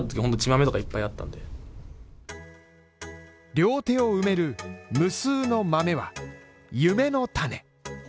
両手を埋める無数のマメは、夢の種。